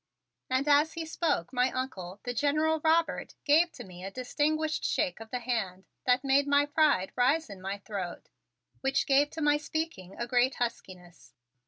And as he spoke my Uncle, the General Robert, gave to me a distinguished shake of the hand that made my pride to rise in my throat, which gave to my speaking a great huskiness.